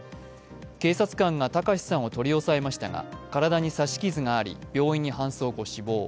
警察官が卓さんを取り押さえましたが、体に刺し傷があり、病院に搬送後、死亡。